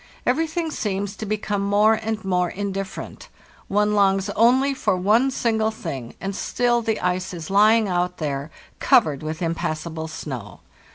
Everything seems to become mcre and more in different. One longs only for one single thing, and still the ice is lying out there covered with impassable snow.